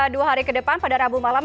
dua hari ke depan pada rabu malam